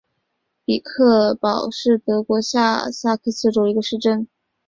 比克堡是德国下萨克森州的一个市镇。